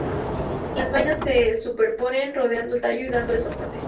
Las vainas se superponen rodeando al tallo y dándole soporte.